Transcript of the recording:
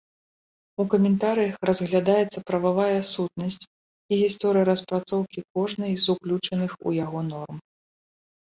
У каментарыях разглядаецца прававая сутнасць і гісторыя распрацоўкі кожнай з уключаных у яго норм.